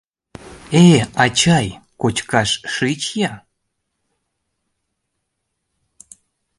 Э, ачай, кочкаш шич-я!